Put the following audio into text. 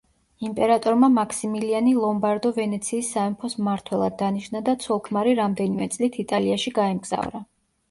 იმპერატორმა მაქსიმილიანი ლომბარდო-ვენეციის სამეფოს მმართველად დანიშნა და ცოლ-ქმარი რამდენიმე წლით იტალიაში გაემგზავრა.